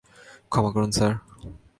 ক্ষমা করুন, স্যার।